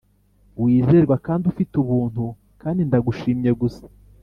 wizerwa kandi ufite ubuntu kandi ndagushimye gusa